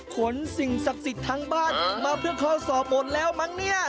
สิ่งศักดิ์สิทธิ์ทั้งบ้านมาเพิ่งข้อสอบหมดแล้วมั้งเนี่ย